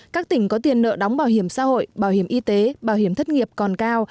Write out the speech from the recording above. các tỉnh có tiền nợ đóng bảo hiểm xã hội bảo hiểm y tế bảo hiểm thất nghiệp còn cao